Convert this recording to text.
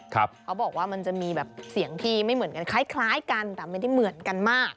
เขาบอกว่ามันจะมีแบบเสียงที่ไม่เหมือนกันคล้ายกันแต่ไม่ได้เหมือนกันมาก